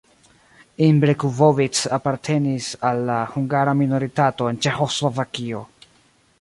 Imre Kubovics apartenis al la hungara minoritato en Ĉeĥoslovakio.